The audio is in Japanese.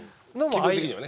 気分的にはね。